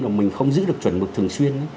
và mình không giữ được chuẩn mực thường xuyên